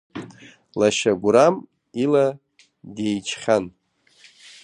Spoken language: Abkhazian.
Лашьа Гәырам ила деиџьхьан.